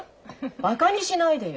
バカにしないでよ。